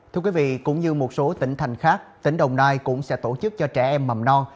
thưa quý vị cũng như một số tỉnh thành khác tỉnh đồng nai cũng sẽ tổ chức cho trẻ em mầm non